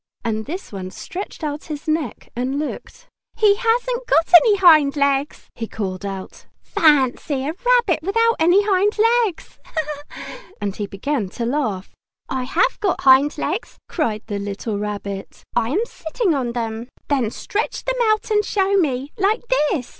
And this one stretched out his neck and looked. "He hasn't got any hind legs!" he called out. "Fancy a rabbit without any hind legs!" And he began to laugh. "I have!" cried the little Rabbit. "I have got hind legs! I am sitting on them!" "Then stretch them out and show me, like this!"